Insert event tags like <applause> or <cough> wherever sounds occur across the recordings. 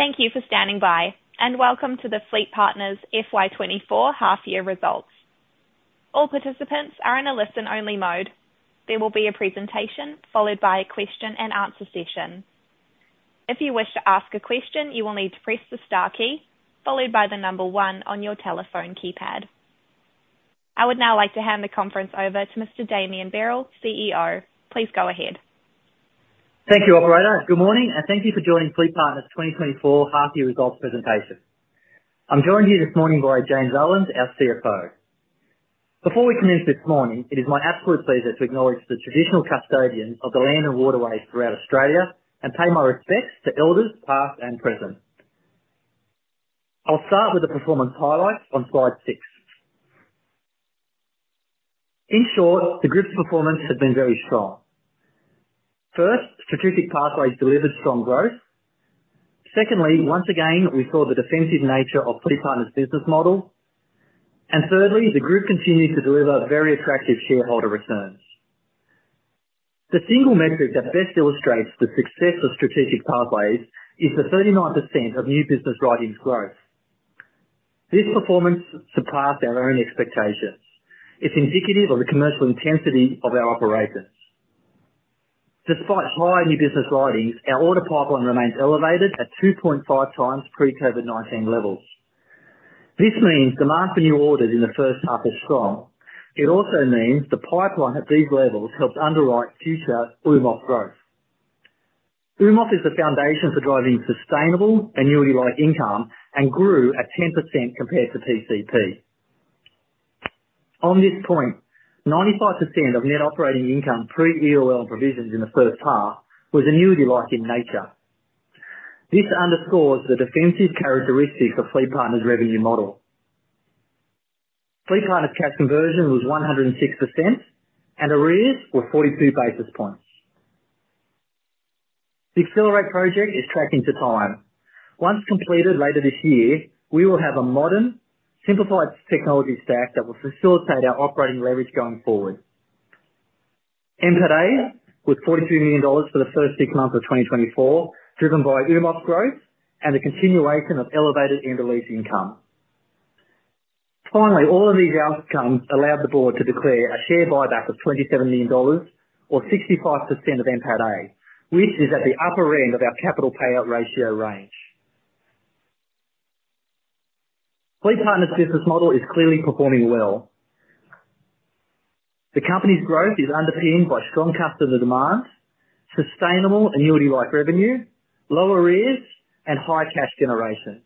Thank you for standing by, and welcome to the FleetPartners Fiscal Year 2024 Half-Year Results. All participants are in a listen-only mode. There will be a presentation followed by a question-and-answer session. If you wish to ask a question, you will need to press the star key followed by the number one on your telephone keypad. I would now like to hand the conference over to Mr. Damien Berrell, CEO. Please go ahead. Thank you, Operator. Good morning, and thank you for joining FleetPartners' 2024 Half-Year Results Presentation. I'm joined here this morning by James Owens, our CFO. Before we commence this morning, it is my absolute pleasure to acknowledge the traditional custodians of the land and waterways throughout Australia and pay my respects to elders past and present. I'll start with the performance highlights on slide six. In short, the group's performance has been very strong. First, Strategic Pathways delivered strong growth. Secondly, once again, we saw the defensive nature of FleetPartners' business model. And thirdly, the group continued to deliver very attractive shareholder returns. The single metric that best illustrates the success of Strategic Pathways is the 39% of new business writings growth. This performance surpassed our own expectations. It's indicative of the commercial intensity of our operations. Despite high new business writings, our order pipeline remains elevated at 2.5x pre-COVID-19 levels. This means demand for new orders in the first half is strong. It also means the pipeline at these levels helps underwrite future AUMOF growth. AUMOF is the foundation for driving sustainable annuity-like income and grew at 10% compared to PCP. On this point, 95% of net operating income pre-EOL provisions in the first half was annuity-like in nature. This underscores the defensive characteristics of FleetPartners' revenue model. FleetPartners' cash conversion was 106%, and arrears were 42 basis points. The Accelerate project is tracking to time. Once completed later this year, we will have a modern, simplified technology stack that will facilitate our operating leverage going forward. NPATA was AUD 42 million for the first six months of 2024, driven by AUMOF growth and the continuation of elevated annuities income. Finally, all of these outcomes allowed the board to declare a share buyback of AUD 27 million, or 65% of NPATA, which is at the upper end of our capital payout ratio range. FleetPartners' business model is clearly performing well. The company's growth is underpinned by strong customer demand, sustainable annuity-like revenue, lower arrears, and high cash generation.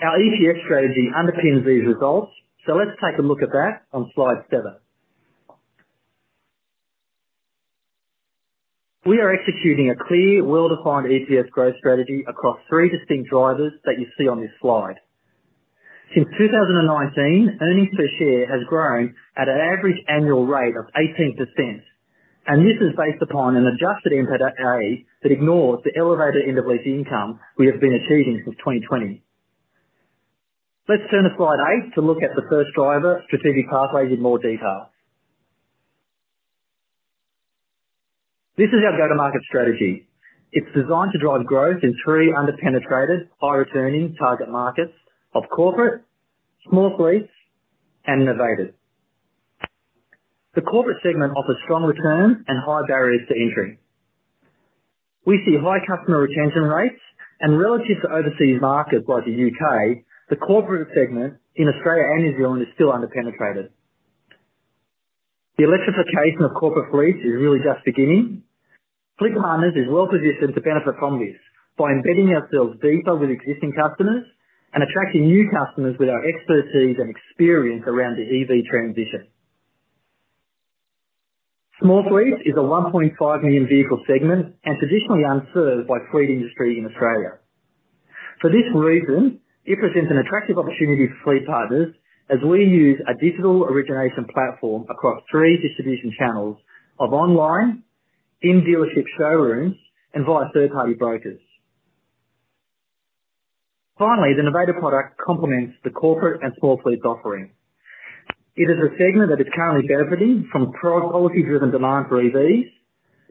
Our EPS strategy underpins these results, so let's take a look at that on slide seven. We are executing a clear, well-defined EPS growth strategy across three distinct drivers that you see on this slide. Since 2019, earnings per share has grown at an average annual rate of 18%, and this is based upon an adjusted NPATA that ignores the elevated annuities income we have been achieving since 2020. Let's turn to slide eight to look at the first driver, Strategic Pathways, in more detail. This is our go-to-market strategy. It's designed to drive growth in three under-penetrated, high-returning target markets of corporate, small fleets, and novated. The corporate segment offers strong returns and high barriers to entry. We see high customer retention rates, and relative to overseas markets like the UK, the corporate segment in Australia and New Zealand is still under-penetrated. The electrification of corporate fleets is really just beginning. FleetPartners is well-positioned to benefit from this by embedding ourselves deeper with existing customers and attracting new customers with our expertise and experience around the EV transition. Small fleets is a 1.5 million vehicle segment and traditionally unserved by fleet industry in Australia. For this reason, it presents an attractive opportunity for FleetPartners as we use a digital origination platform across three distribution channels of online, in-dealership showrooms, and via third-party brokers. Finally, the novated product complements the corporate and small fleets offering. It is a segment that is currently benefiting from product policy-driven demand for EVs,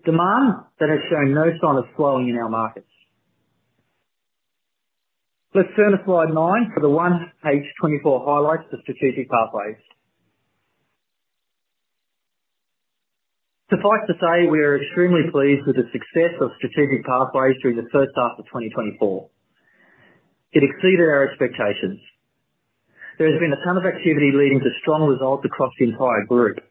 demand that has shown no sign of slowing in our markets. Let's turn to slide nine for the 1H 2024 highlights for Strategic Pathways. Suffice to say, we are extremely pleased with the success of Strategic Pathways during the first half of 2024. It exceeded our expectations. There has been a ton of activity leading to strong results across the entire group.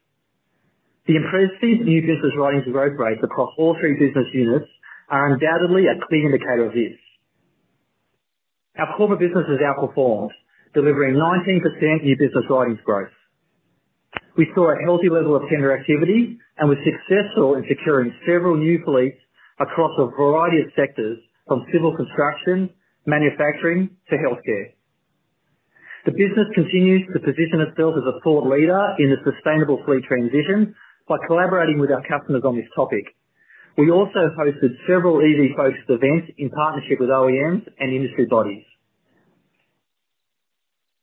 The impressive new business writings growth rates across all three business units are undoubtedly a clear indicator of this. Our corporate business has outperformed, delivering 19% new business writings growth. We saw a healthy level of tender activity and were successful in securing several new fleets across a variety of sectors from civil construction, manufacturing, to healthcare. The business continues to position itself as a thought leader in the sustainable fleet transition by collaborating with our customers on this topic. We also hosted several EV-focused events in partnership with OEMs and industry bodies.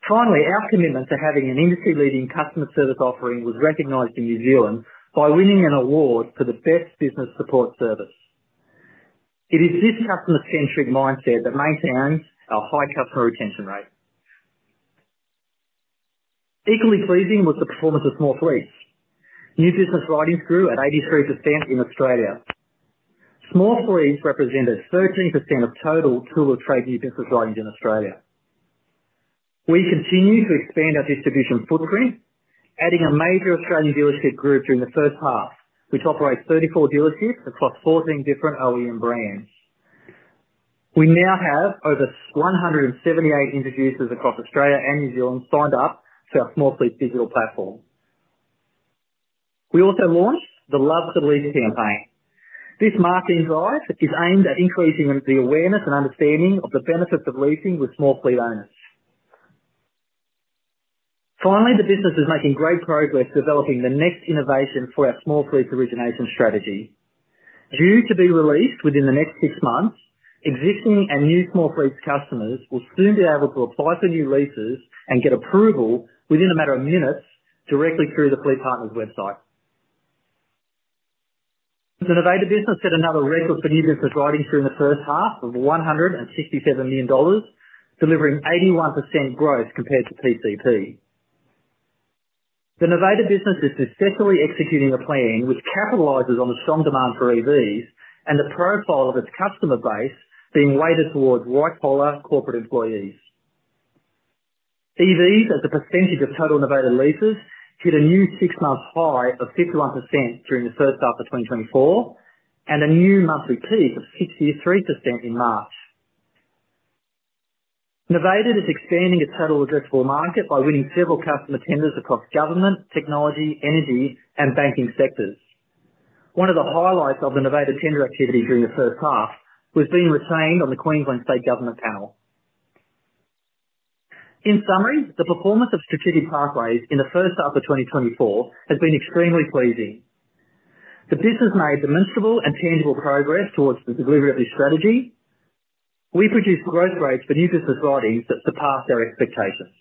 Finally, our commitment to having an industry-leading customer service offering was recognized in New Zealand by winning an award for the best business support service. It is this customer-centric mindset that maintains our high customer retention rate. Equally pleasing was the performance of small fleets. New business writings grew at 83% in Australia. Small fleets represented 13% of total tool-of-trade new business writings in Australia. We continue to expand our distribution footprint, adding a major Australian dealership group during the first half, which operates 34 dealerships across 14 different OEM brands. We now have over 178 introducers across Australia and New Zealand signed up to our small fleet digital platform. We also launched the Love to Lease campaign. This marketing drive is aimed at increasing the awareness and understanding of the benefits of leasing with small fleet owners. Finally, the business is making great progress developing the next innovation for our small fleet origination strategy. Due to be released within the next six months, existing and new small fleet customers will soon be able to apply for new leases and get approval within a matter of minutes directly through the FleetPartners website. The novated business set another record for new business writings during the first half of 167 million dollars, delivering 81% growth compared to PCP. The novated business is successfully executing a plan which capitalizes on the strong demand for EVs and the profile of its customer base being weighted towards white-collar corporate employees. EVs, as a percentage of total novated leases, hit a new six-month high of 51% during the first half of 2024 and a new monthly peak of 63% in March. Novated is expanding its total addressable market by winning several customer tenders across government, technology, energy, and banking sectors. One of the highlights of the novated tender activity during the first half was being retained on the Queensland State Government panel. In summary, the performance of Strategic Pathways in the first half of 2024 has been extremely pleasing. The business made demonstrable and tangible progress towards the delivery of this strategy. We produced growth rates for new business writings that surpassed our expectations.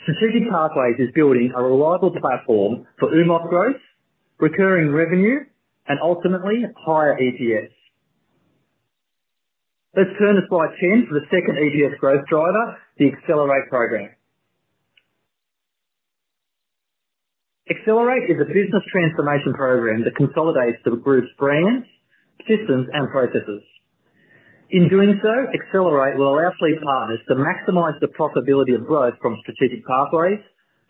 Strategic Pathways is building a reliable platform for AUMOF growth, recurring revenue, and ultimately higher EPS. Let's turn to slide 10 for the second EPS growth driver, the Accelerate program. Accelerate is a business transformation program that consolidates the group's brands, systems, and processes. In doing so, Accelerate will allow FleetPartners to maximize the profitability of growth from Strategic Pathways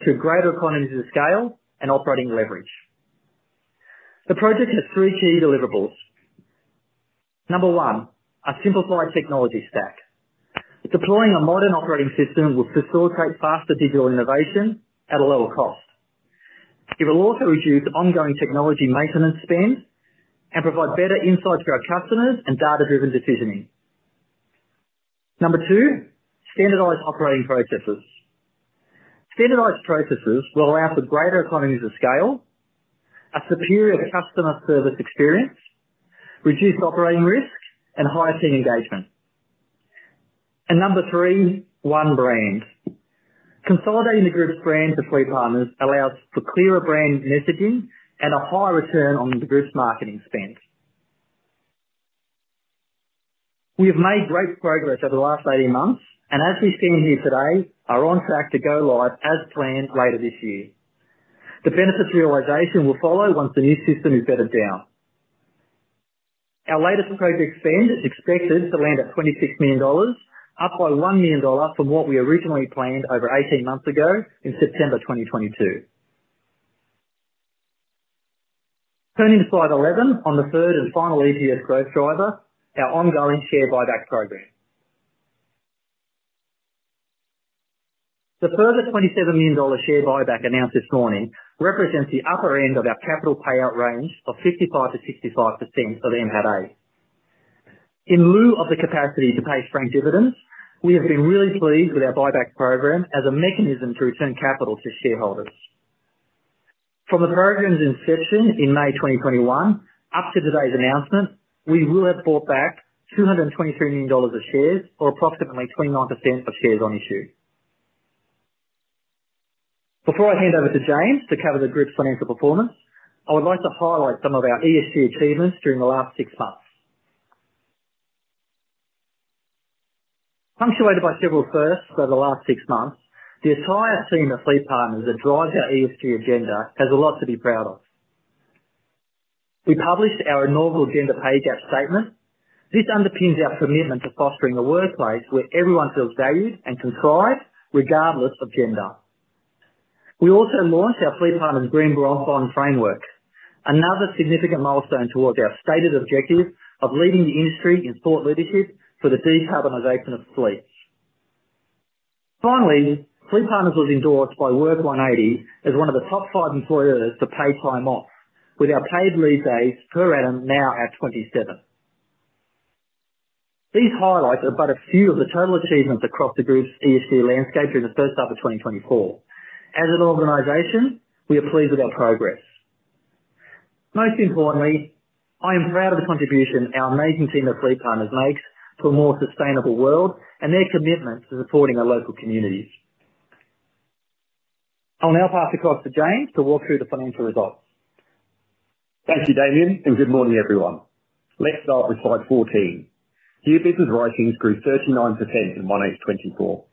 to greater economies of scale and operating leverage. The project has three key deliverables. Number one, a simplified technology stack. Deploying a modern operating system will facilitate faster digital innovation at a lower cost. It will also reduce ongoing technology maintenance spend and provide better insights for our customers and data-driven decisioning. Number two, standardized operating processes. Standardized processes will allow for greater economies of scale, a superior customer service experience, reduced operating risk, and higher team engagement. And number three, one brand. Consolidating the group's brand for FleetPartners allows for clearer brand messaging and a high return on the group's marketing spend. We have made great progress over the last 18 months, and as we stand here today, are on track to go live as planned later this year. The benefits realization will follow once the new system is bedded down. Our latest project spend is expected to land at 26 million dollars, up by 1 million dollar from what we originally planned over 18 months ago in September 2022. Turning to slide 11 on the third and final EPS growth driver, our ongoing share buyback program. The further 27 million dollar share buyback announced this morning represents the upper end of our capital payout range of 55%-65% of NPATA. In lieu of the capacity to pay franked dividends, we have been really pleased with our buyback program as a mechanism to return capital to shareholders. From the program's inception in May 2021 up to today's announcement, we will have bought back 223 million dollars of shares, or approximately 29% of shares on issue. Before I hand over to James to cover the group's financial performance, I would like to highlight some of our ESG achievements during the last six months. Punctuated by several firsts over the last six months, the entire team at FleetPartners that drives our ESG agenda has a lot to be proud of. We published our inaugural gender pay gap statement. This underpins our commitment to fostering a workplace where everyone feels valued and included regardless of gender. We also launched our FleetPartners Green Bond Framework, another significant milestone towards our stated objective of leading the industry in thought leadership for the decarbonization of fleets. Finally, FleetPartners was endorsed by Work180 as one of the top five employers to pay time off, with our paid leave days per annum now at 27. These highlights are but a few of the total achievements across the group's ESG landscape during the first half of 2024. As an organization, we are pleased with our progress. Most importantly, I am proud of the contribution our amazing team at FleetPartners makes to a more sustainable world and their commitment to supporting our local communities. I'll now pass across to James to walk through the financial results. Thank you, Damien, and good morning, everyone. Let's start with slide 14. New business writings grew 39% in 1H 2024.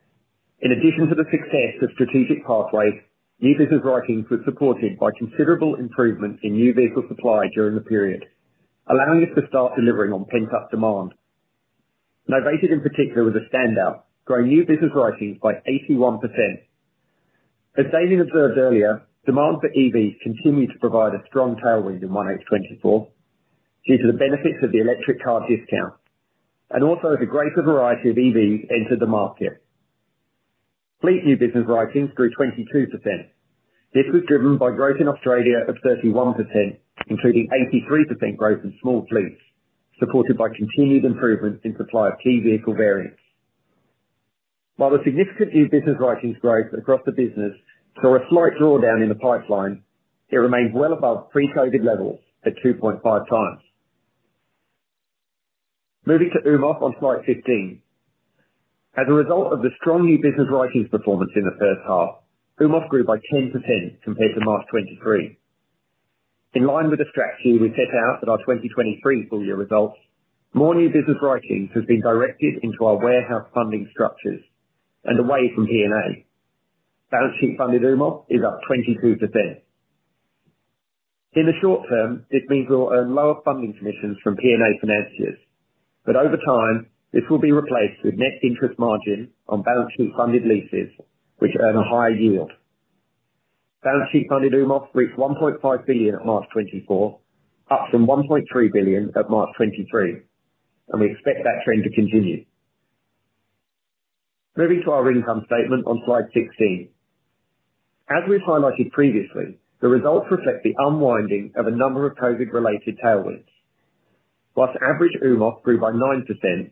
In addition to the success of Strategic Pathways, new business writings were supported by considerable improvement in new vehicle supply during the period, allowing us to start delivering on pent-up demand. Novated, in particular, was a standout, growing new business writings by 81%. As Damien observed earlier, demand for EVs continued to provide a strong tailwind in 1H 2024 due to the benefits of the electric car discount and also as a greater variety of EVs entered the market. Fleet new business writings grew 22%. This was driven by growth in Australia of 31%, including 83% growth in small fleets, supported by continued improvement in supply of key vehicle variants. While the significant new business writings growth across the business saw a slight drawdown in the pipeline, it remained well above pre-COVID levels at 2.5x. Moving to AUM OF on slide 15. As a result of the strong new business writings performance in the first half, AUM OF grew by 10% compared to March 2023. In line with the strategy we set out at our 2023 full-year results, more new business writings have been directed into our warehouse funding structures and away from P&A. Balance sheet funded AUM OF is up 22%. In the short term, this means we'll earn lower funding commissions from P&A financiers, but over time, this will be replaced with net interest margin on balance sheet funded leases, which earn a higher yield. Balance sheet funded AUM OF reached 1.5 billion at March 2024, up from 1.3 billion at March 2023, and we expect that trend to continue. Moving to our income statement on slide 16. As we've highlighted previously, the results reflect the unwinding of a number of COVID-related tailwinds. While average AUMOF grew by 9%,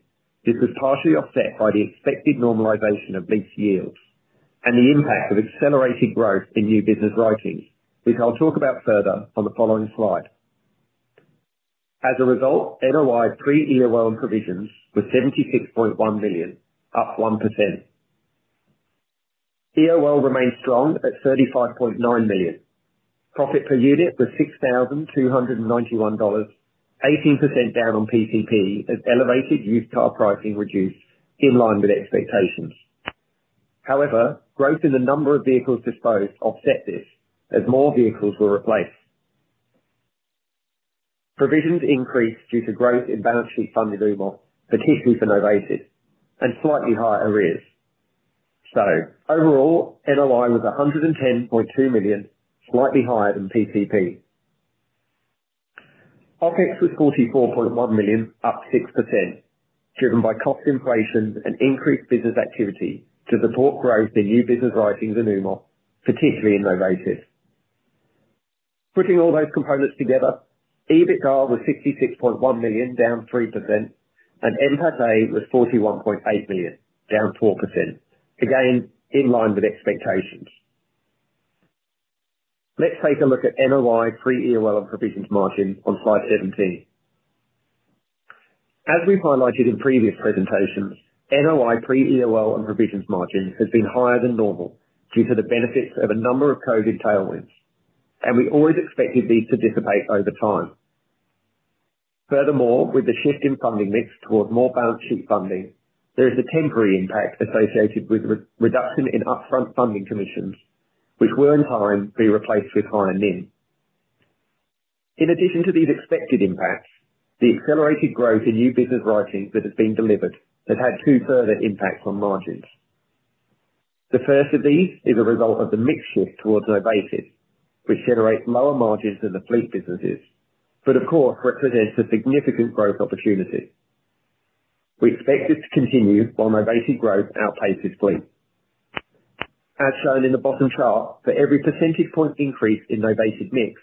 this was partially offset by the expected normalization of lease yields and the impact of accelerated growth in new business writings, which I'll talk about further on the following slide. As a result, NOI pre-EOL provisions were 76.1 million, up 1%. EOL remained strong at 35.9 million. Profit per unit was 6,291 dollars, 18% down on PCP as elevated used car pricing reduced in line with expectations. However, growth in the number of vehicles disposed offset this as more vehicles were replaced. Provisions increased due to growth in balance sheet funded AUMOF, particularly for novated, and slightly higher arrears. So overall, NOI was 110.2 million, slightly higher than PCP. OpEx was 44.1 million, up 6%, driven by cost inflation and increased business activity to support growth in new business writings in AUMOF, particularly in novated. Putting all those components together, EBITDA was 66.1 million, down 3%, and NPATA was 41.8 million, down 4%, again in line with expectations. Let's take a look at NOI pre-EOL and provisions margins on slide 17. As we've highlighted in previous presentations, NOI pre-EOL and provisions margin has been higher than normal due to the benefits of a number of COVID tailwinds, and we always expected these to dissipate over time. Furthermore, with the shift in funding mix towards more balance sheet funding, there is a temporary impact associated with reduction in upfront funding commissions, which will in time be replaced with higher NIM. In addition to these expected impacts, the accelerated growth in new business writings that has been delivered has had two further impacts on margins. The first of these is a result of the mix shift towards novated leasing, which generates lower margins than the fleet businesses, but of course represents a significant growth opportunity. We expect this to continue while novated leasing growth outpaces fleet. As shown in the bottom chart, for every percentage point increase in novated leasing mix,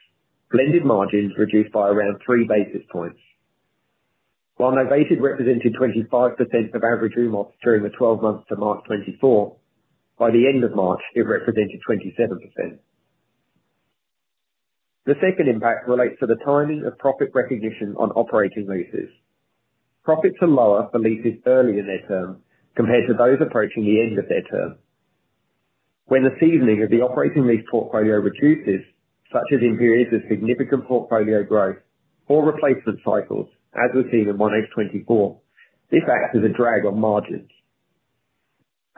blended margins reduced by around three basis points. While novated leasing represented 25% of average AUMOF during the 12 months to March 2024, by the end of March, it represented 27%. The second impact relates to the timing of profit recognition on operating leases. Profits are lower for leases earlier in their term compared to those approaching the end of their term. When the seasoning of the operating lease portfolio reduces, such as in periods of significant portfolio growth or replacement cycles, as we've seen in 1H 2024, this acts as a drag on margins.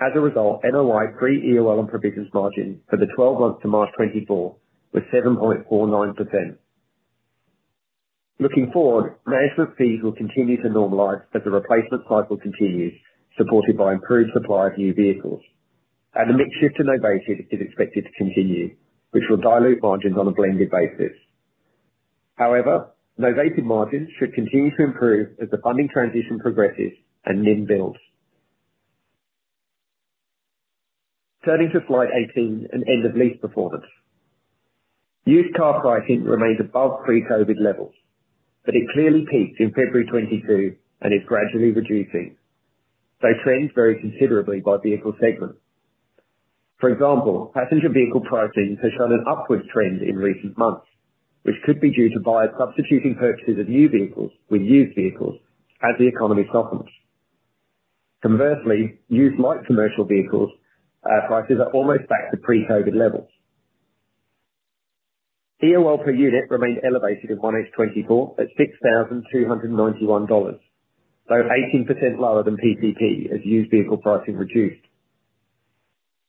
As a result, NOI pre-EOL and provisions margin for the 12 months to March 2024 was 7.49%. Looking forward, management fees will continue to normalize as the replacement cycle continues, supported by improved supply of new vehicles. The mix shift to novated is expected to continue, which will dilute margins on a blended basis. However, novated margins should continue to improve as the funding transition progresses and NIM builds. Turning to slide 18, an end of lease performance. Used car pricing remains above pre-COVID levels, but it clearly peaked in February 2022 and is gradually reducing, though trends vary considerably by vehicle segment. For example, passenger vehicle pricings have shown an upward trend in recent months, which could be due to buyers substituting purchases of new vehicles with used vehicles as the economy softens. Conversely, used light commercial vehicles prices are almost back to pre-COVID levels. EOL per unit remained elevated in 1H24 at 6,291 dollars, though 18% lower than PCP as used vehicle pricing reduced.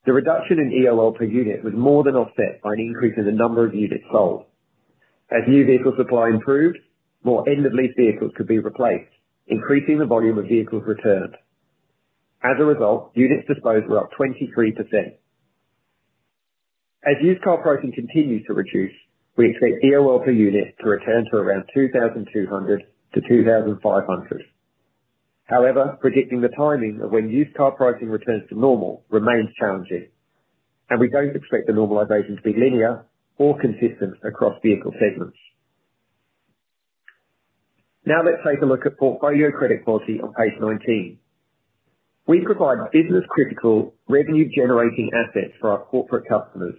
The reduction in EOL per unit was more than offset by an increase in the number of units sold. As new vehicle supply improved, more end-of-lease vehicles could be replaced, increasing the volume of vehicles returned. As a result, units disposed were up 23%. As used car pricing continues to reduce, we expect EOL per unit to return to around 2,200-2,500. However, predicting the timing of when used car pricing returns to normal remains challenging, and we don't expect the normalization to be linear or consistent across vehicle segments. Now let's take a look at portfolio credit quality on page 19. We provide business-critical revenue-generating assets for our corporate customers.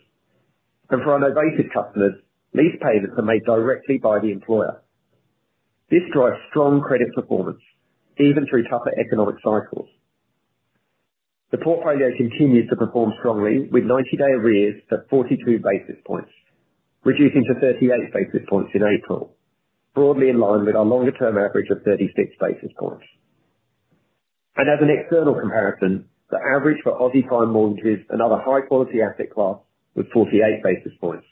For our Novated customers, lease payments are made directly by the employer. This drives strong credit performance even through tougher economic cycles. The portfolio continues to perform strongly with 90-day arrears at 42 basis points, reducing to 38 basis points in April, broadly in line with our longer-term average of 36 basis points. And as an external comparison, the average for Aussie fine mortgages and other high-quality asset class was 48 basis points.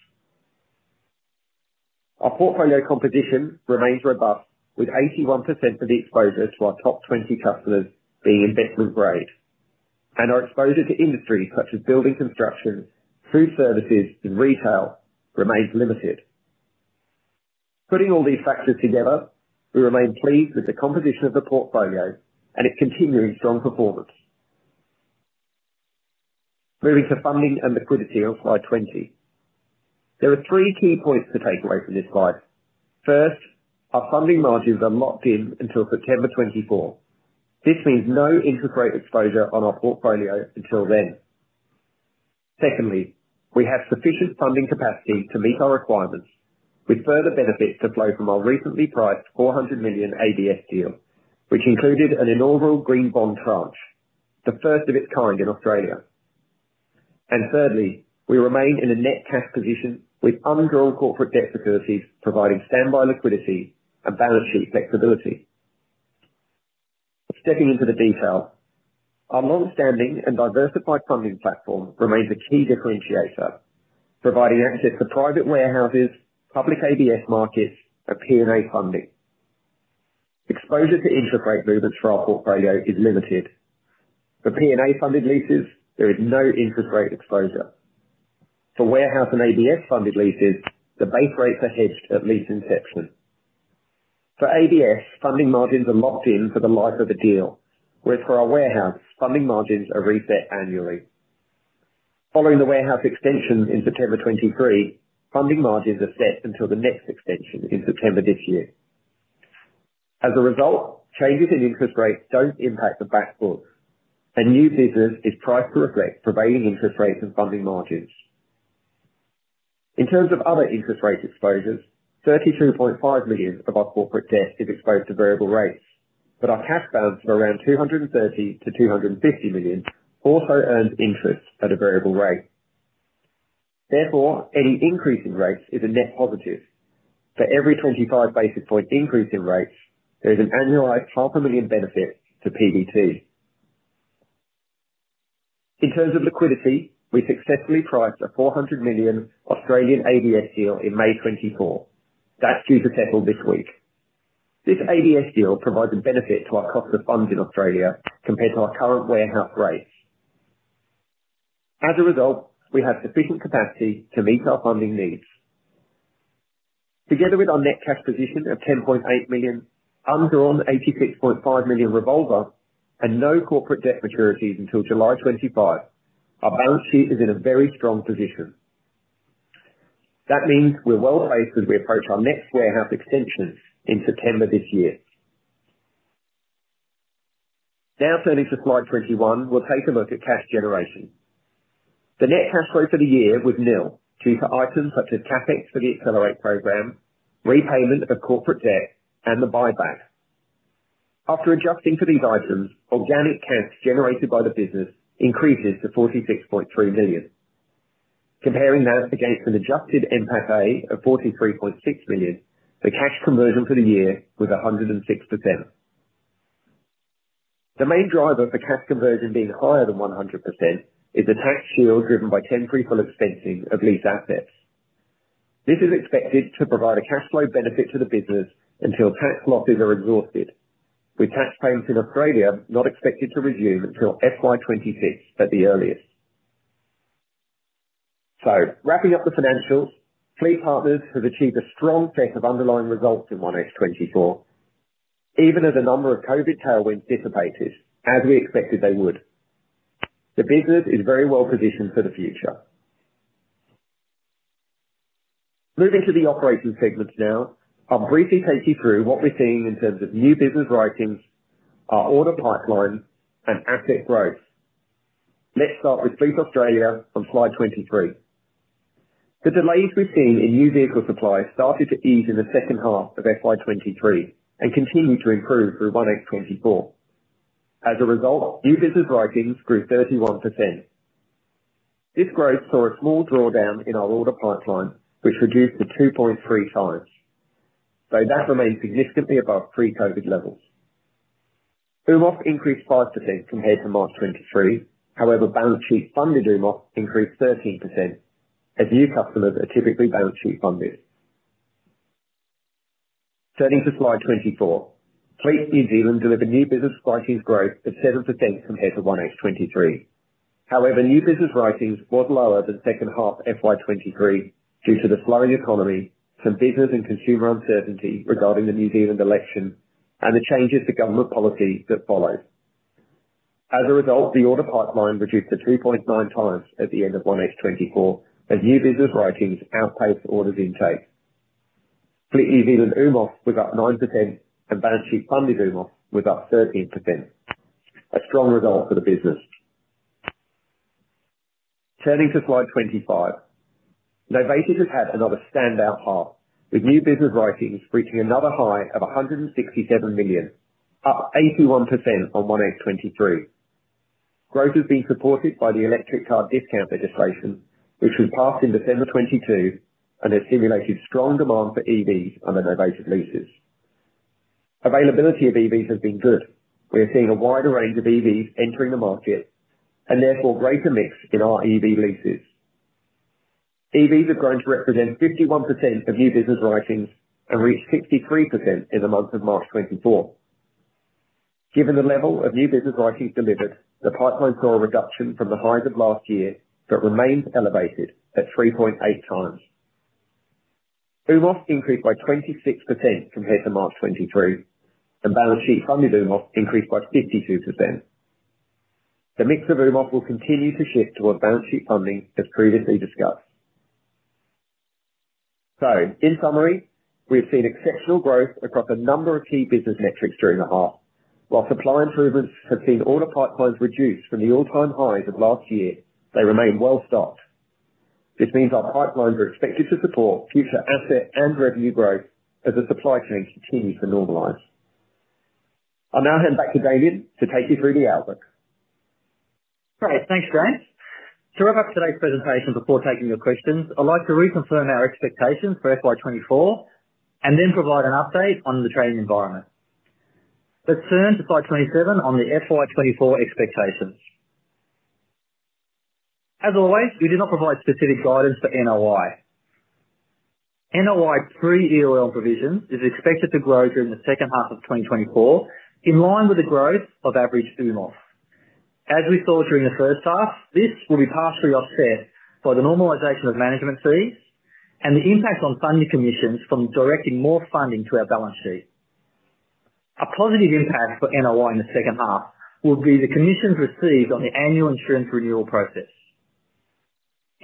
Our portfolio composition remains robust, with 81% of the exposure to our top 20 customers being investment grade. And our exposure to industries such as building, construction, food services, and retail remains limited. Putting all these factors together, we remain pleased with the composition of the portfolio and its continuing strong performance. Moving to funding and liquidity on slide 20. There are three key points to take away from this slide. First, our funding margins are locked in until September 2024. This means no interest rate exposure on our portfolio until then. Secondly, we have sufficient funding capacity to meet our requirements, with further benefits to flow from our recently priced 400 million ABS deal, which included an inaugural green bond tranche, the first of its kind in Australia. Thirdly, we remain in a net cash position with undrawn corporate debt securities providing standby liquidity and balance sheet flexibility. Stepping into the detail, our longstanding and diversified funding platform remains a key differentiator, providing access to private warehouses, public ABS markets, and P&A funding. Exposure to interest rate movements for our portfolio is limited. For P&A funded leases, there is no interest rate exposure. For warehouse and ABS funded leases, the base rates are hedged at lease inception. For ABS, funding margins are locked in for the life of a deal, whereas for our warehouse, funding margins are reset annually. Following the warehouse extension in September 2023, funding margins are set until the next extension in September this year. As a result, changes in interest rates don't impact the backbooks, and new business is priced to reflect prevailing interest rates and funding margins. In terms of other interest rate exposures, 32.5 million of our corporate debt is exposed to variable rates, but our cash balance of around 230 million-250 million also earns interest at a variable rate. Therefore, any increase in rates is a net positive. For every 25 basis point increase in rates, there is an annualized 500,000 benefit to PBT. In terms of liquidity, we successfully priced a 400 million Australian ABS deal in May 2024. That's due to settle this week. This ABS deal provides a benefit to our cost of funds in Australia compared to our current warehouse rates. As a result, we have sufficient capacity to meet our funding needs. Together with our net cash position of 10.8 million, undrawn 86.5 million revolver, and no corporate debt maturities until July 25, our balance sheet is in a very strong position. That means we're well placed as we approach our next warehouse extension in September this year. Now turning to slide 21, we'll take a look at cash generation. The net cash flow for the year was nil due to items such as CapEx for the Accelerate program, repayment of corporate debt, and the buyback. After adjusting for these items, organic cash generated by the business increases to 46.3 million. Comparing that against an adjusted NPATA of 43.6 million, the cash conversion for the year was 106%. The main driver for cash conversion being higher than 100% is the tax shield driven by temporary full expensing of lease assets. This is expected to provide a cash flow benefit to the business until tax losses are exhausted, with tax payments in Australia not expected to resume until FY 2026 at the earliest. So wrapping up the financials, FleetPartners has achieved a strong set of underlying results in 1H 2024, even as a number of COVID tailwinds dissipated as we expected they would. The business is very well positioned for the future. Moving to the operating segments now, I'll briefly take you through what we're seeing in terms of new business writings, our order pipeline, and asset growth. Let's start with Fleet Australia on slide 23. The delays we've seen in new vehicle supply started to ease in the second half of FY 2023 and continue to improve through 1H 2024. As a result, new business writings grew 31%. This growth saw a small drawdown in our order pipeline, which reduced to 2.3x. So that remains significantly above pre-COVID levels. AUMOF increased 5% compared to March 2023. However, balance sheet funded AUMOF increased 13% as new customers are typically balance sheet funded. Turning to slide 24, Fleet New Zealand delivered new business writings growth of 7% compared to 1H2023. However, new business writings was lower than second half FY2023 due to the sluggish economy, some business and consumer uncertainty regarding the New Zealand election, and the changes to government policy that followed. As a result, the order pipeline reduced to 2.9x at the end of 1H2024 as new business writings outpaced order intake. Fleet New Zealand AUMOF was up 9% and balance sheet funded AUMOF was up 13%. A strong result for the business. Turning to slide 25, Novated has had another standout half, with new business writings reaching another high of 167 million, up 81% on 1H2023. Growth has been supported by the electric car discount legislation, which was passed in December 2022 and has stimulated strong demand for EVs under novated leases. Availability of EVs has been good. We are seeing a wider range of EVs entering the market and therefore greater mix in our EV leases. EVs have grown to represent 51% of new business writings and reached 63% in the month of March 2024. Given the level of new business writings delivered, the pipeline saw a reduction from the highs of last year but remains elevated at 3.8x. AUMOF increased by 26% compared to March 2023, and balance sheet funded AUMOF increased by 52%. The mix of AUMOF will continue to shift towards balance sheet funding, as previously discussed. So in summary, we have seen exceptional growth across a number of key business metrics during the half. While supply improvements have seen order pipelines reduce from the all-time highs of last year, they remain well stocked. This means our pipelines are expected to support future asset and revenue growth as the supply chain continues to normalize. I'll now hand back to Damien to take you through the outlook. Great. Thanks, James. To wrap up today's presentation before taking your questions, I'd like to reconfirm our expectations for FY 2024 and then provide an update on the training environment. Let's turn to slide 27 on the FY 2024 expectations. As always, we do not provide specific guidance for NOI. NOI pre-EOL provisions is expected to grow during the second half of 2024 in line with the growth of average AUMOF. As we saw during the first half, this will be partially offset by the normalization of management fees and the impact on funding commissions from directing more funding to our balance sheet. A positive impact for NOI in the second half will be the commissions received on the annual insurance renewal process.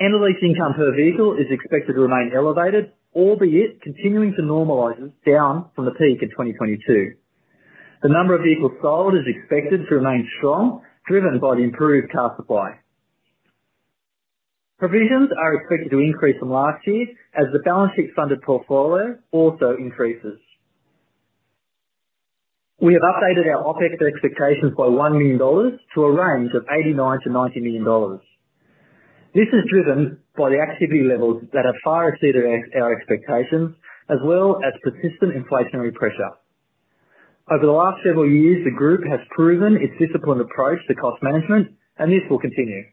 End-of-lease income per vehicle is expected to remain elevated, albeit continuing to normalize down from the peak in 2022. The number of vehicles sold is expected to remain strong, driven by the improved car supply. Provisions are expected to increase from last year as the balance sheet funded portfolio also increases. We have updated our OpEx expectations by 1 million dollars to a range of 89 million-90 million dollars. This is driven by the activity levels that have far exceeded our expectations, as well as persistent inflationary pressure. Over the last several years, the group has proven its disciplined approach to cost management, and this will continue.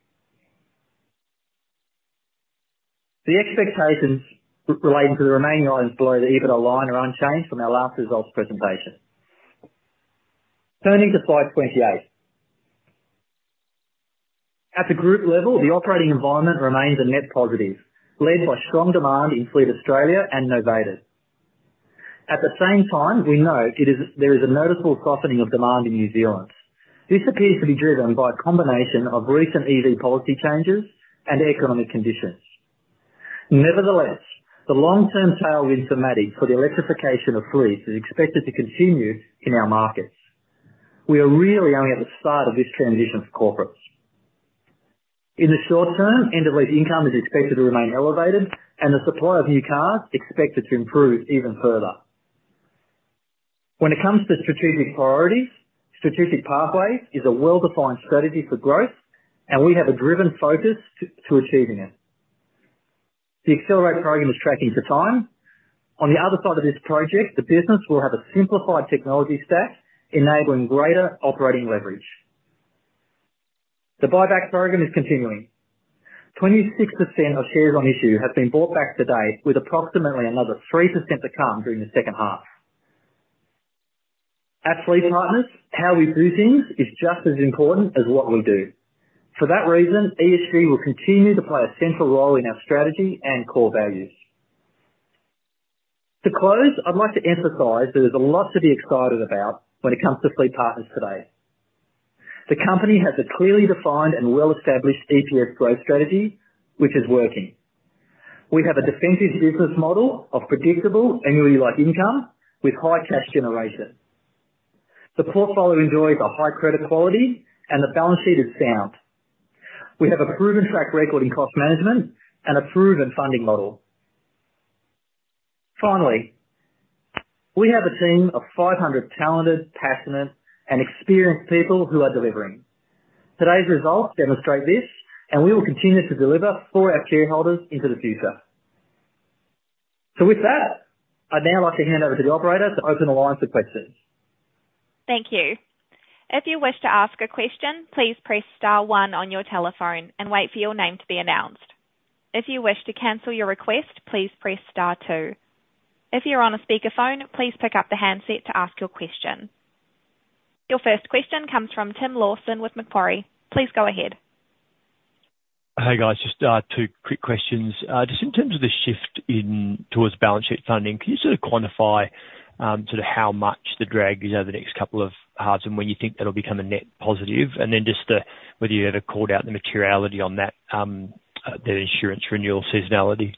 The expectations relating to the remaining items below the EBITDA line are unchanged from our last results presentation. Turning to slide 28. At the group level, the operating environment remains a net positive, led by strong demand in Fleet Australia and novated. At the same time, we know there is a noticeable softening of demand in New Zealand. This appears to be driven by a combination of recent EV policy changes and economic conditions. Nevertheless, the long-term tailwinds of thematic for the electrification of fleets is expected to continue in our markets. We are really only at the start of this transition for corporates. In the short term, end-of-lease income is expected to remain elevated, and the supply of new cars is expected to improve even further. When it comes to strategic priorities, Strategic Pathways is a well-defined strategy for growth, and we have a driven focus to achieving it. The Accelerate program is tracking for time. On the other side of this project, the business will have a simplified technology stack enabling greater operating leverage. The buyback program is continuing. 26% of shares on issue have been bought back to date, with approximately another 3% to come during the second half. At FleetPartners, how we do things is just as important as what we do. For that reason, ESG will continue to play a central role in our strategy and core values. To close, I'd like to emphasize there is a lot to be excited about when it comes to FleetPartners today. The company has a clearly defined and well-established EPS growth strategy, which is working. We have a defensive business model of predictable annuity-like income with high cash generation. The portfolio enjoys a high credit quality, and the balance sheet is sound. We have a proven track record in cost management and a proven funding model. Finally, we have a team of 500 talented, passionate, and experienced people who are delivering. Today's results demonstrate this, and we will continue to deliver for our shareholders into the future. So with that, I'd now like to hand over to the operator to open the line for questions. Thank you. If you wish to ask a question, please press star one on your telephone and wait for your name to be announced. If you wish to cancel your request, please press star two. If you're on a speakerphone, please pick up the handset to ask your question. Your first question comes from Tim Lawson with Macquarie. Please go ahead. Hey, guys. Just two quick questions. Just in terms of the shift towards balance sheet funding, can you sort of quantify sort of how much the drag is over the next couple of halves and when you think that'll become a net positive? And then just whether you ever called out the materiality on that, the insurance renewal seasonality.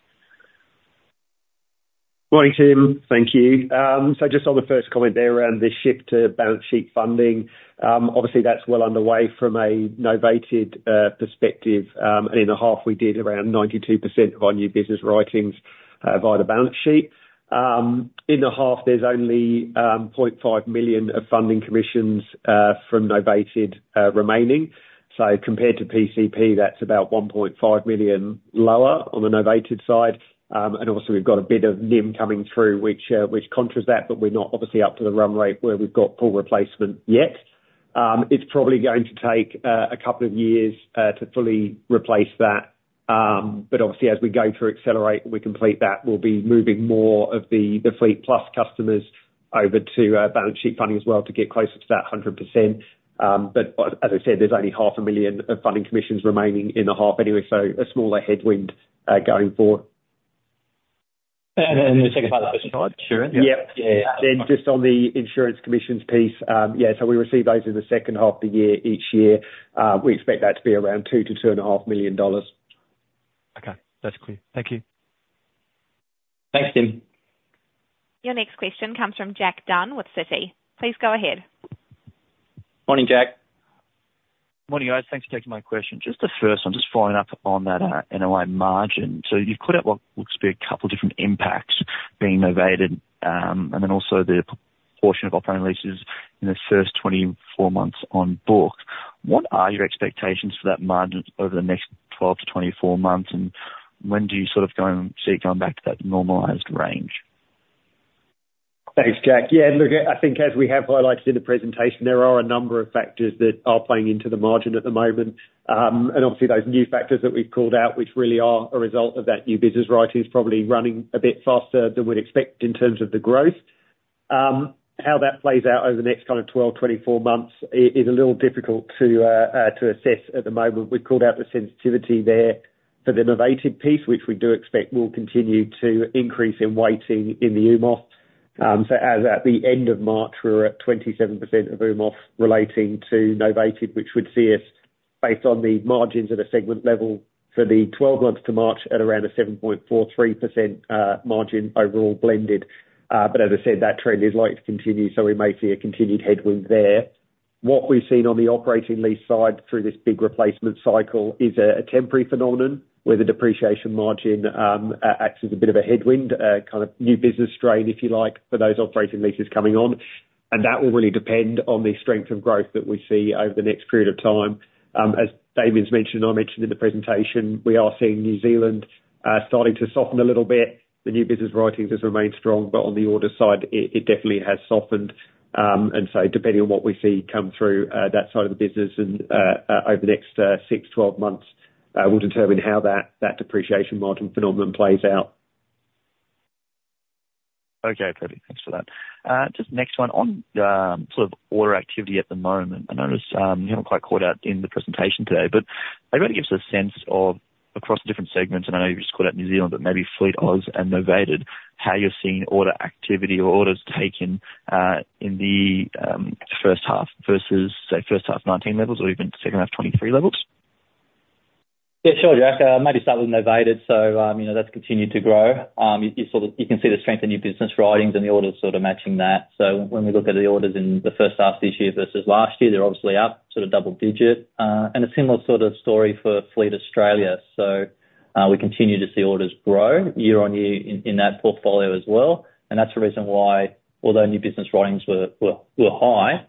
Morning, Tim. Thank you. So just on the first comment there around this shift to balance sheet funding, obviously, that's well underway from a novated perspective. And in the half, we did around 92% of our new business writings via the balance sheet. In the half, there's only 0.5 million of funding commissions from novated remaining. So compared to PCP, that's about 1.5 million lower on the novated side. And obviously, we've got a bit of NIM coming through, which contrasts that, but we're not obviously up to the run rate where we've got full replacement yet. It's probably going to take a couple of years to fully replace that. But obviously, as we go through Accelerate and we complete that, we'll be moving more of the FleetPlus customers over to balance sheet funding as well to get closer to that 100%. But as I said, there's only 0.5 million of funding commissions remaining in the half anyway, so a smaller headwind going forward. And the second part of the question, sorry. <crosstalk> Then just on the insurance commissions piece, yeah, so we receive those in the second half of the year each year. We expect that to be around 2 million-2.5 million dollars. Okay. That's clear. Thank you. Thanks, Tim. Your next question comes from Jack Dunn with Citi. Please go ahead. Morning, Jack. Morning, guys. Thanks for taking my question. Just the first one, just following up on that NOI margin. So you've put out what looks to be a couple of different impacts being novated and then also the portion of operating leases in the first 24 months on book. What are your expectations for that margin over the next 12-24 months, and when do you sort of see it going back to that normalized range? Thanks, Jack. Yeah. Look, I think as we have highlighted in the presentation, there are a number of factors that are playing into the margin at the moment. And obviously, those new factors that we've called out, which really are a result of that new business writings, probably running a bit faster than we'd expect in terms of the growth. How that plays out over the next kind of 12, 24 months is a little difficult to assess at the moment. We've called out the sensitivity there for the novated piece, which we do expect will continue to increase in weighting in the AUMOF. So at the end of March, we were at 27% of AUMOF relating to novated, which would see us based on the margins at a segment level for the 12 months to March at around a 7.43% margin overall blended. But as I said, that trend is likely to continue, so we may see a continued headwind there. What we've seen on the operating lease side through this big replacement cycle is a temporary phenomenon where the depreciation margin acts as a bit of a headwind, kind of new business strain, if you like, for those operating leases coming on. That will really depend on the strength of growth that we see over the next period of time. As Damien's mentioned and I mentioned in the presentation, we are seeing New Zealand starting to soften a little bit. The new business writings have remained strong, but on the order side, it definitely has softened. And so depending on what we see come through that side of the business over the next 6, 12 months will determine how that depreciation margin phenomenon plays out. Okay, James. Thanks for that. Just next one, on sort of order activity at the moment. I noticed you haven't quite called out in the presentation today, but if anybody gives us a sense across the different segments - and I know you've just called out New Zealand, but maybe Fleet Australia and novated - how you're seeing order activity or orders taken in the first half versus, say, first half 2019 levels or even second half 2023 levels? Yeah, sure, Jack. I might just start with novated. So that's continued to grow. You can see the strength of new business writings and the orders sort of matching that. So when we look at the orders in the first half of this year versus last year, they're obviously up, sort of double digit. And a similar sort of story for Fleet Australia. So we continue to see orders grow year on year in that portfolio as well. And that's the reason why, although new business writings were high,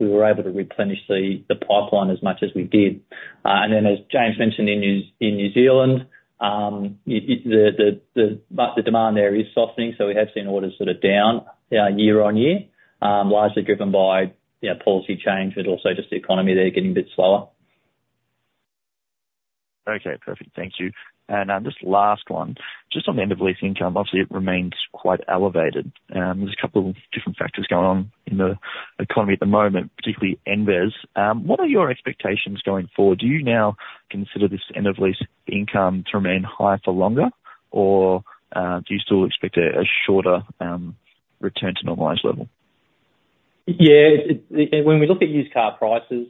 we were able to replenish the pipeline as much as we did. And then as James mentioned in New Zealand, the demand there is softening. So we have seen orders sort of down year-on-year, largely driven by policy change but also just the economy there getting a bit slower. Okay. Perfect. Thank you. And just last one, just on the end-of-lease income, obviously, it remains quite elevated. There's a couple of different factors going on in the economy at the moment, particularly EVs. What are your expectations going forward? Do you now consider this end-of-lease income to remain high for longer, or do you still expect a shorter return to normalized level? Yeah. When we look at used car prices,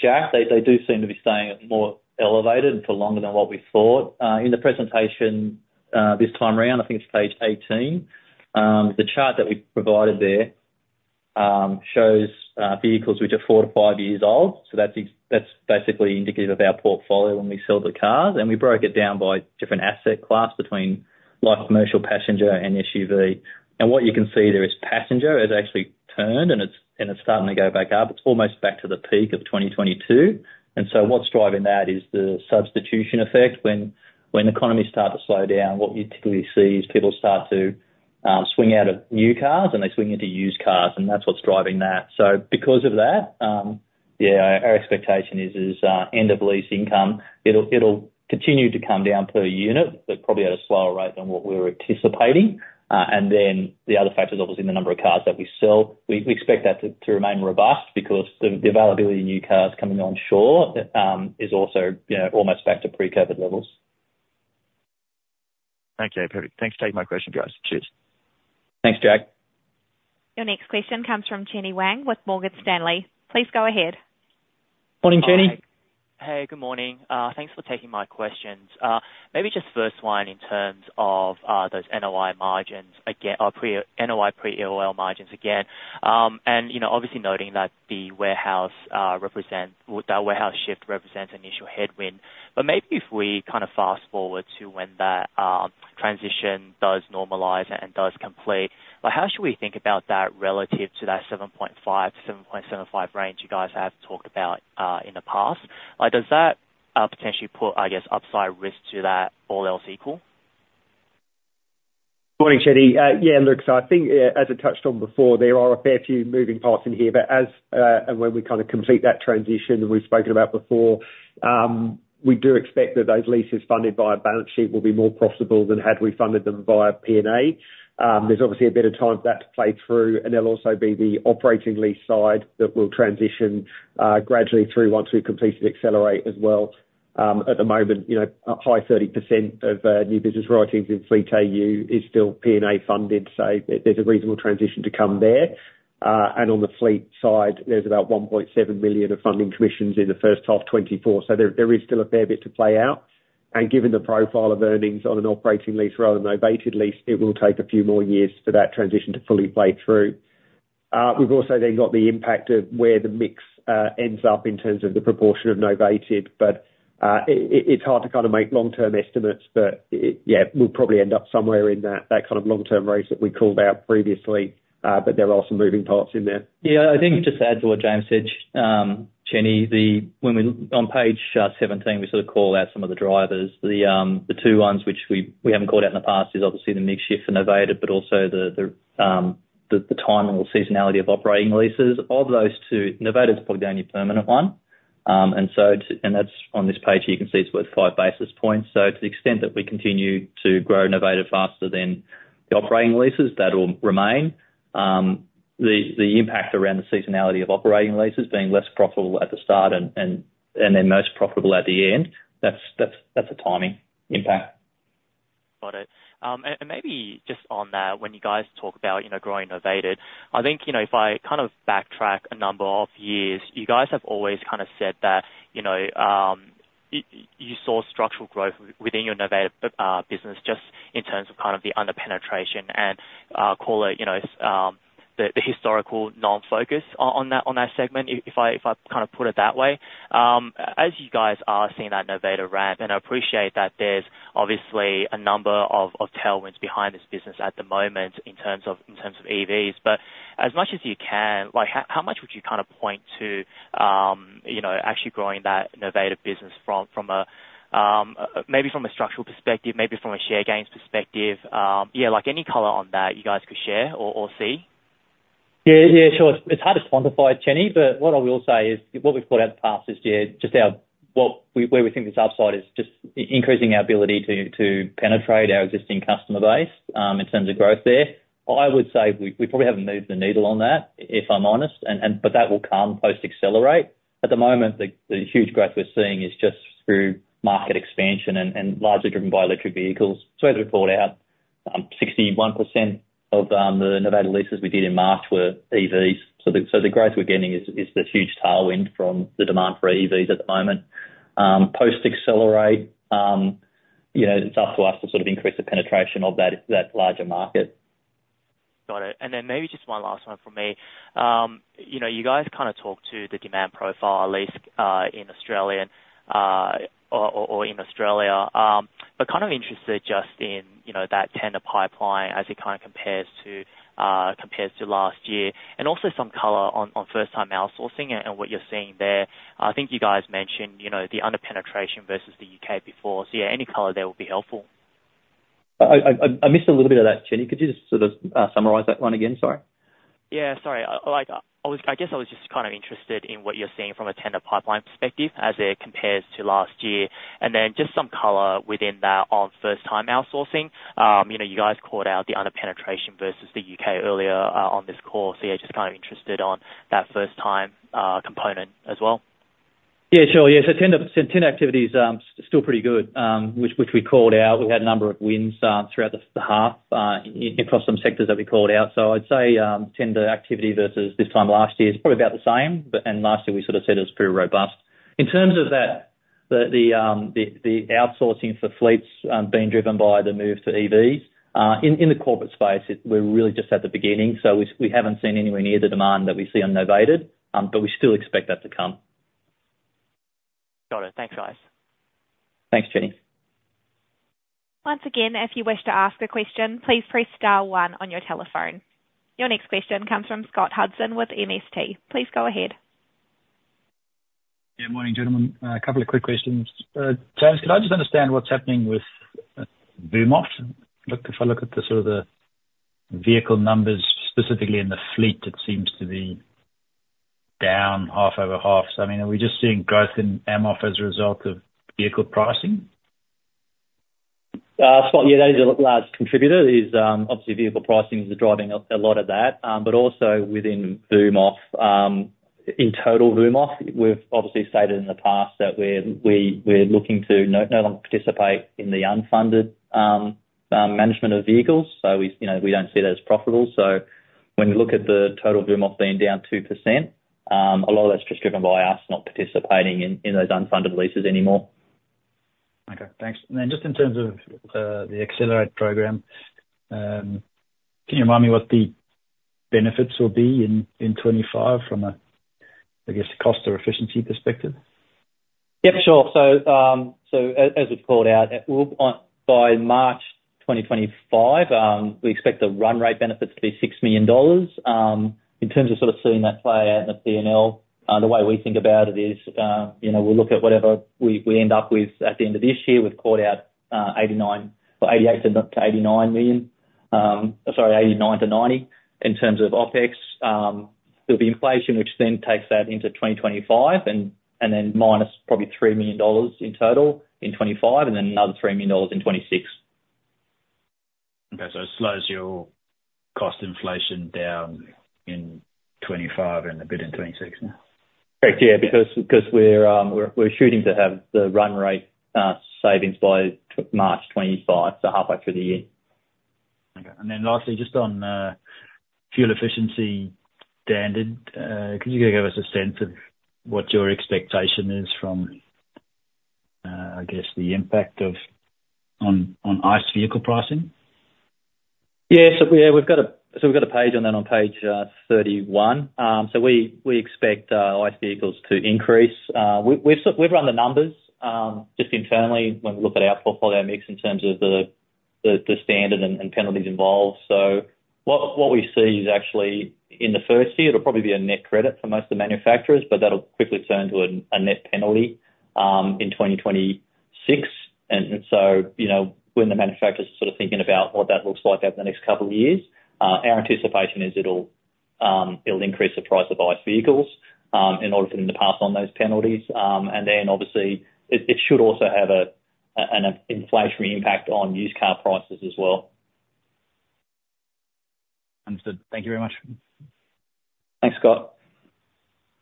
Jack, they do seem to be staying more elevated for longer than what we thought. In the presentation this time around, I think it's page 18, the chart that we've provided there shows vehicles which are 4-5 years old. So that's basically indicative of our portfolio when we sell the cars. And we broke it down by different asset class between light commercial, passenger, and SUV. And what you can see there is passenger has actually turned, and it's starting to go back up. It's almost back to the peak of 2022. And so what's driving that is the substitution effect. When the economies start to slow down, what you typically see is people start to swing out of new cars, and they swing into used cars. And that's what's driving that. So because of that, yeah, our expectation is end-of-lease income, it'll continue to come down per unit, but probably at a slower rate than what we were anticipating. And then the other factor is, obviously, the number of cars that we sell. We expect that to remain robust because the availability of new cars coming onshore is also almost back to pre-COVID levels. Okay. Perfect. Thanks for taking my question, guys. Cheers. Thanks, Jack. Your next question comes from Chenny Wang with Morgan Stanley. Please go ahead. Morning, Chenny. Hey. Good morning. Thanks for taking my questions. Maybe just first one in terms of those NOI margins or NOI pre-EOL margins again. And obviously, noting that the warehouse shift represents initial headwind. But maybe if we kind of fast-forward to when that transition does normalize and does complete, how should we think about that relative to that 7.5-7.75 range you guys have talked about in the past? Does that potentially put, I guess, upside risk to that all else equal? Morning, Chenny. Yeah. Look, so I think, as I touched on before, there are a fair few moving parts in here. But when we kind of complete that transition, and we've spoken about before, we do expect that those leases funded via balance sheet will be more profitable than had we funded them via P&A. There's obviously a better time for that to play through. And there'll also be the operating lease side that will transition gradually through once we've completed Accelerate as well. At the moment, a high 30% of new business writings in FleetAU is still P&A funded. So there's a reasonable transition to come there. And on the fleet side, there's about 1.7 million of funding commissions in the first half 2024. So there is still a fair bit to play out. And given the profile of earnings on an operating lease rather than novated lease, it will take a few more years for that transition to fully play through. We've also then got the impact of where the mix ends up in terms of the proportion of novated. But it's hard to kind of make long-term estimates. But yeah, we'll probably end up somewhere in that kind of long-term rate that we called out previously. But there are some moving parts in there. Yeah. I think just to add to what James said, Chenny, when we're on page 17, we sort of call out some of the drivers. The two ones which we haven't called out in the past is obviously the mix shift and novated, but also the timing or seasonality of operating leases. Of those two, novated's probably the only permanent one. And that's on this page, you can see it's worth 5 basis points. So to the extent that we continue to grow novated faster than the operating leases, that'll remain. The impact around the seasonality of operating leases being less profitable at the start and then most profitable at the end, that's a timing impact. Got it. And maybe just on that, when you guys talk about growing novated, I think if I kind of backtrack a number of years, you guys have always kind of said that you saw structural growth within your novated business just in terms of kind of the under-penetration and call it the historical non-focus on that segment, if I kind of put it that way. As you guys are seeing that novated ramp, and I appreciate that there's obviously a number of tailwinds behind this business at the moment in terms of EVs. But as much as you can, how much would you kind of point to actually growing that novated business maybe from a structural perspective, maybe from a share gains perspective? Yeah, any color on that you guys could share or see? Yeah. Yeah. Sure. It's hard to quantify, Chenny. But what I will say is what we've called out in the past is just where we think this upside is just increasing our ability to penetrate our existing customer base in terms of growth there. I would say we probably haven't moved the needle on that, if I'm honest. But that will come post-Accelerate. At the moment, the huge growth we're seeing is just through market expansion and largely driven by electric vehicles. So as we've called out, 61% of the novated leases we did in March were EVs. So the growth we're getting is the huge tailwind from the demand for EVs at the moment. Post-Accelerate, it's up to us to sort of increase the penetration of that larger market. Got it. And then maybe just one last one from me. You guys kind of talked to the demand profile, at least in Australia or in Australia, but kind of interested just in that tender pipeline as it kind of compares to last year and also some color on first-time outsourcing and what you're seeing there. I think you guys mentioned the underpenetration versus the U.K. before. So yeah, any color there would be helpful. I missed a little bit of that, Chenny. Could you just sort of summarise that one again? Sorry. Yeah. Sorry. I guess I was just kind of interested in what you're seeing from a tender pipeline perspective as it compares to last year and then just some color within that on first-time outsourcing. You guys called out the under-penetration versus the U.K. earlier on this call. So yeah, just kind of interested on that first-time component as well. Yeah. Sure. Yeah. So tender activity's still pretty good, which we called out. We had a number of wins throughout the half across some sectors that we called out. So I'd say tender activity versus this time last year is probably about the same. And last year, we sort of said it was pretty robust. In terms of the outsourcing for fleets being driven by the move to EVs, in the corporate space, we're really just at the beginning. So we haven't seen anywhere near the demand that we see on novated. But we still expect that to come. Got it. Thanks, guys. Thanks, Chenny. Once again, if you wish to ask a question, please press star one on your telephone. Your next question comes from Scott Hudson with MST. Please go ahead. Yeah. Morning, gentlemen. A couple of quick questions. James, could I just understand what's happening with AUMOF? If I look at sort of the vehicle numbers, specifically in the fleet, it seems to be down half over half. So I mean, are we just seeing growth in AUMOF as a result of vehicle pricing? Yeah. That is a large contributor. Obviously, vehicle pricing is driving a lot of that. But also within AUMOF, in total AUMOF, we've obviously stated in the past that we're looking to no longer participate in the unfunded management of vehicles. So we don't see that as profitable. So when we look at the total AUMOF being down 2%, a lot of that's just driven by us not participating in those unfunded leases anymore. Okay. Thanks. And then just in terms of the Accelerate program, can you remind me what the benefits will be in 2025 from a, I guess, cost or efficiency perspective? Yep. Sure. So as we've called out, by March 2025, we expect the run rate benefits to be 6 million dollars. In terms of sort of seeing that play out in the P&L, the way we think about it is we'll look at whatever we end up with at the end of this year. We've called out 88-89 million, sorry, 89-90 million in terms of OPEX. There'll be inflation, which then takes that into 2025 and then minus probably 3 million dollars in total in 2025 and then another 3 million dollars in 2026. Okay. So it slows your cost inflation down in 2025 and a bit in 2026 now? Correct. Yeah. Because we're shooting to have the run rate savings by March 2025, so halfway through the year. Okay. And then lastly, just on fuel efficiency standard, could you give us a sense of what your expectation is from, I guess, the impact on ICE vehicle pricing? Yeah. So yeah, we've got a so we've got a page on that on page 31. So we expect ICE vehicles to increase. We've run the numbers just internally when we look at our portfolio mix in terms of the standard and penalties involved. So what we see is actually in the first year, it'll probably be a net credit for most of the manufacturers. But that'll quickly turn to a net penalty in 2026. And so when the manufacturers are sort of thinking about what that looks like over the next couple of years, our anticipation is it'll increase the price of ICE vehicles in order for them to pass on those penalties. And then obviously, it should also have an inflationary impact on used car prices as well. Understood. Thank you very much. Thanks, Scott.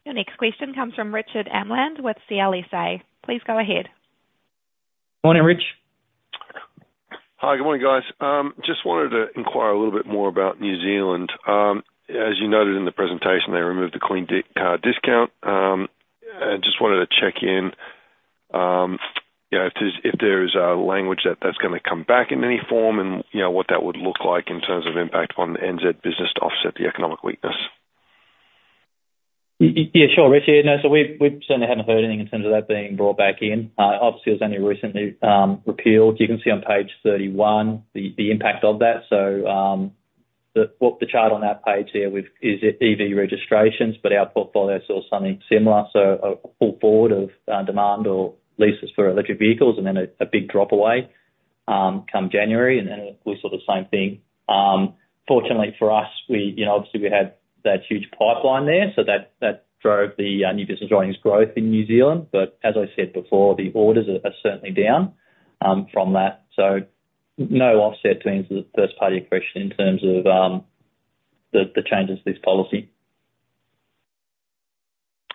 Your next question comes from Richard Amland with CLSA. Please go ahead. Morning, Rich. Hi. Good morning, guys. Just wanted to inquire a little bit more about New Zealand. As you noted in the presentation, they removed the Clean Car Discount. And just wanted to check in if there is language that that's going to come back in any form and what that would look like in terms of impact upon the NZ business to offset the economic weakness. Yeah. Sure, Rich. Yeah. No. So we certainly haven't heard anything in terms of that being brought back in. Obviously, it was only recently repealed. You can see on page 31 the impact of that. So the chart on that page here is EV registrations. But our portfolio saw something similar. So a full flood of demand or leases for electric vehicles and then a big drop away come January. And then obviously, the same thing. Fortunately for us, obviously, we had that huge pipeline there. So that drove the new business writings growth in New Zealand. But as I said before, the orders are certainly down from that. So no offset to any first-half aggression in terms of the changes to this policy.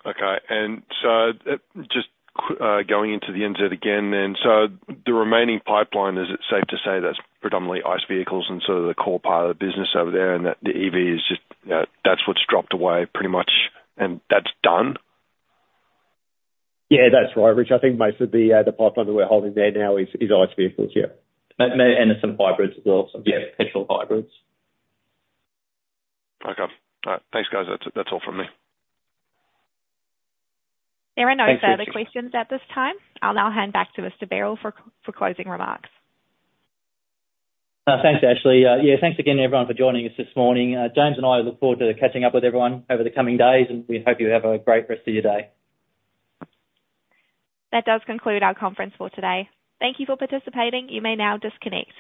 Okay. And so just going into the NZ again then, so the remaining pipeline, is it safe to say that's predominantly ICE vehicles and sort of the core part of the business over there and that the EV is just that's what's dropped away pretty much, and that's done? Yeah. That's right, Rich. I think most of the pipeline that we're holding there now is ICE vehicles. Yeah. And some hybrids as well. Yeah. Petrol hybrids. Okay. All right. Thanks, guys. That's all from me. There are no further questions at this time. I'll now hand back to Mr. Berrell for closing remarks. Thanks, Ashley. Yeah. Thanks again, everyone, for joining us this morning. James and I look forward to catching up with everyone over the coming days. And we hope you have a great rest of your day. That does conclude our conference for today. Thank you for participating. You may now disconnect.